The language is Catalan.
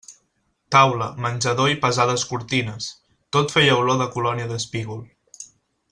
Taula, menjador i pesades cortines, tot feia olor de colònia d'espígol.